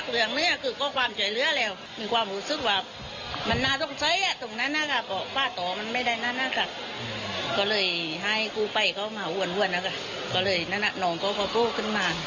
ก็เลยนั่นน่ะน้องก็พอโปร่งขึ้นมา